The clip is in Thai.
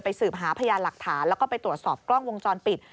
สืบหาพยานหลักฐานแล้วก็ไปตรวจสอบกล้องวงจรปิด